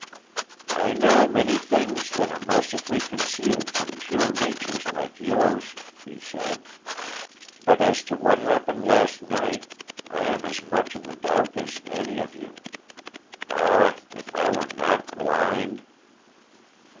"I know many things that are mercifully concealed from pure natures like yours," he said. "But as to what happened last night I am as much in the dark as any of you. Ah, if I were not blind!"